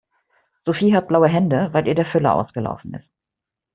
Sophie hat blaue Hände, weil ihr der Füller ausgelaufen ist.